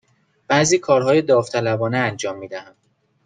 بعضی کارهای داوطلبانه انجام می دهم.